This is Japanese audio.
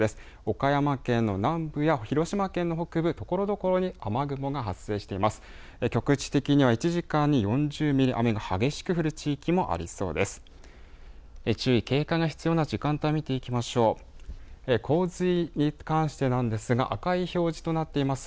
岡山県の南部や広島県の北部、ところどころに雨雲が発生しています。